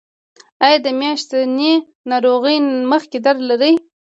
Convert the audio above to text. ایا د میاشتنۍ ناروغۍ مخکې درد لرئ؟